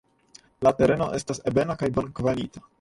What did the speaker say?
La tereno estas ebena kaj bonkvalita.